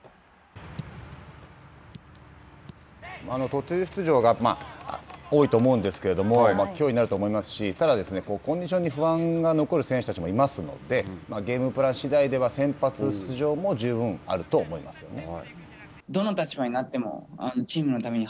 途中出場が多いと思うんですけれども脅威になると思いますし、ただ、コンディションに不安が残る選手たちもいますので、ゲームプラン次第では、先発出場も十分あると思いますよね。